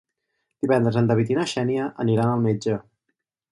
Divendres en David i na Xènia aniran al metge.